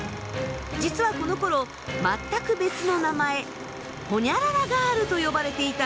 実はこのころ全く別の名前ほにゃららガールと呼ばれていたんです。